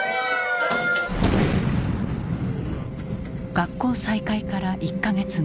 学校再開から１か月後。